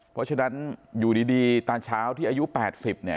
เพราะฉะนั้นอยู่ดีตาเช้าที่อายุ๘๐เนี่ย